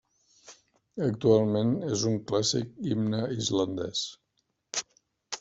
Actualment és un clàssic himne islandès.